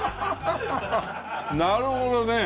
なるほどね。